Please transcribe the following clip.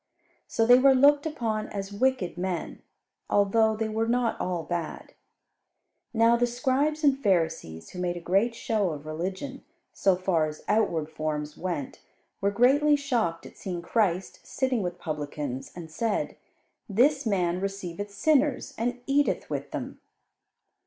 So they were looked upon as wicked men, although they were not all bad. Now the Scribes and Pharisees, who made a great show of religion, so far as outward forms went, were greatly shocked at seeing Christ sitting with publicans, and said, "This man receiveth sinners and eateth with them."